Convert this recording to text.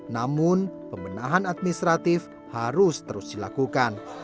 namun pembenahan administratif harus terus dilakukan